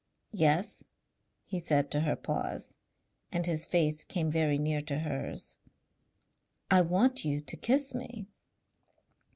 "Yes?" he said to her pause, and his face came very near to hers. "I want you to kiss me."